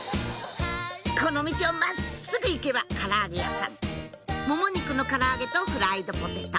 この道を真っすぐ行けばから揚げ屋さんもも肉のから揚げとフライドポテト